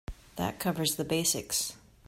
That covers the basics.